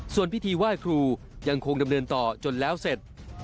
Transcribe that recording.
ส่วนพิธีไหว้ครูยังคงดำเนินต่อจนแล้วเสร็จ